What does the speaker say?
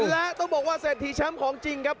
และต้องบอกว่าเศรษฐีแชมป์ของจริงครับ